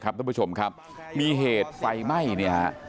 ครับทุกผู้ชมครับมีเหตุไฟไหม้เนี่ย